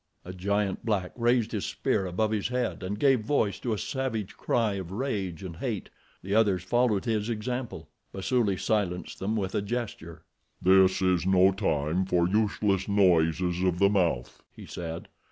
A giant black raised his spear above his head, and gave voice to a savage cry of rage and hate. The others followed his example. Basuli silenced them with a gesture. "This is no time for useless noises of the mouth," he said.